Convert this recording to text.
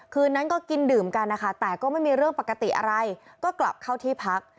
คืนนั้นก็กินดื่มกันนะคะแต่ก็ไม่มีเรื่องปกติอะไรก็กลับเข้าที่พัก